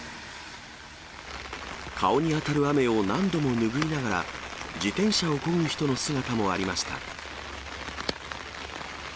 顔に当たる雨を何度も拭いながら、自転車をこぐ人の姿もありました。